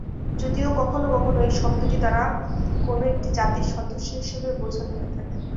যদিও কখনো কখনো এই শব্দটি দ্বারা কোনো একটি জাতির সদস্য হিসেবেও বোঝানো হয়ে থাকে।